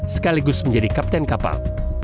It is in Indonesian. sekaligus menjadi kapten kapal